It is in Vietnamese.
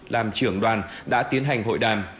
làm trưởng đoàn đã tiến hành hội đàn